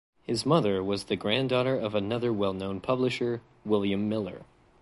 His mother was the granddaughter of another well-known publisher, William Miller.